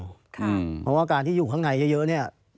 เพราะว่าการที่อยู่ข้างในเยอะเนี่ย